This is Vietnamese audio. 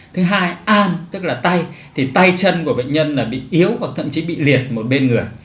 thứ hai am tức là tay thì tay chân của bệnh nhân là bị yếu hoặc thậm chí bị liệt một bên người